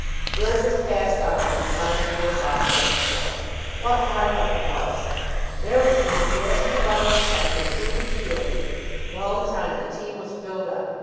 Burgess passed on, his mind full of Bob once more. What hard luck it was! There was he, dashing about in the sun to improve his fielding, and all the time the team was filled up.